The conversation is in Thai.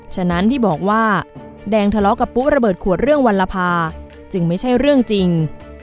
ฉะนั้นที่บอกว่าแดงทะเลาะกับปุ๊ระเบิดขวดเรื่องวัลภาจึงไม่ใช่เรื่องจริง